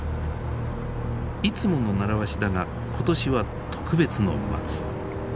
いつもの習わしだが今年は特別の松。